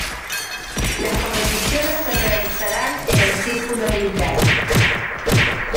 Las competiciones se realizarán en el Círculo Militar.